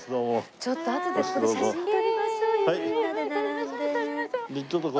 ちょっとあとでここで写真撮りましょうよ